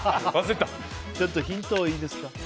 ちょっとヒントいいですか。